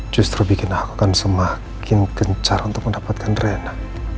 justru bikin aku akan semakin kencar untuk mendapatkan reina